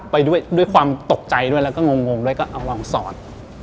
ไปด้วยความตกใจด้วยแล้วก็งงด้วยก็เอาลองสอน